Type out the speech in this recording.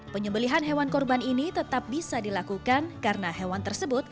penyembelian hewan korban ini tetap bisa dilakukan karena hewan tersebut